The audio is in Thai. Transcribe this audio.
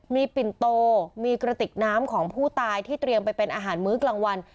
มีปิ่นโตมีกระติกน้ำของผู้ตายที่เตรียมไปเป็นอาหารมื้อกลางวัน